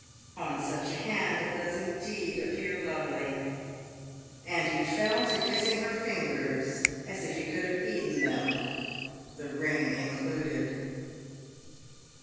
On such a hand, it does indeed appear lovely." And he fell to Kissing her fingers as if he could have eaten them, the ring included.